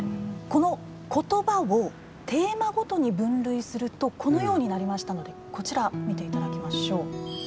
この言葉をテーマごとに分類するとこのようになりましたのでこちら見ていただきましょう。